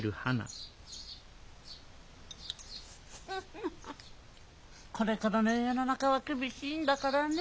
フフフこれからの世の中は厳しいんだからね。